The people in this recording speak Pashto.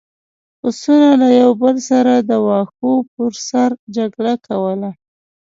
پسونو له یو بل سره د واښو پر سر جګړه کوله.